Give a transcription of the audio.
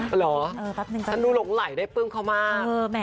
ฉันดูหลงไหลได้เปิ้มเขามาก